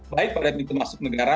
baik pada pintu masuk negara